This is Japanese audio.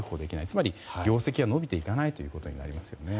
つまり、業績が伸びていかないということになりますよね。